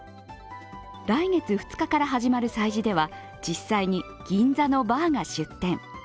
来月２日から始まる催事では、実際に銀座のバーが出店。